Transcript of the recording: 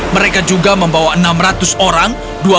mereka juga membawa enam ratus orang